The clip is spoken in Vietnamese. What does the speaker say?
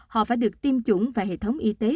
họ phải được tiêm chủng và hệ thống y tế